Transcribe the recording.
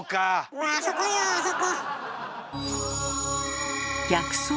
うわあそこよあそこ！